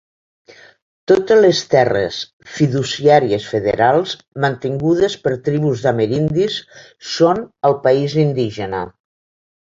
Totes les terres fiduciàries federals mantingudes per tribus d'amerindis són el país indígena.